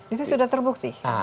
itu sudah terbukti